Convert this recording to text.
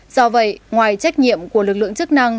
do vậy ngoài trách nhiệm của lực lượng chức năng